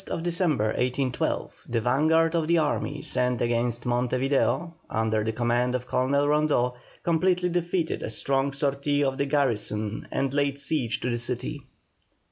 On the 31st December, 1812, the vanguard of the army sent against Monte Video, under the command of Colonel Rondeau, completely defeated a strong sortie of the garrison and laid siege to the city.